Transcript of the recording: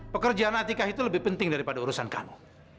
pekerjaan atikah itu lebih penting daripada urusan kamu